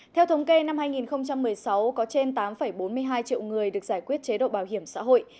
theo thống kê năm hai nghìn một mươi sáu có trên tám bốn mươi hai triệu người được giải quyết chế độ bảo hiểm xã hội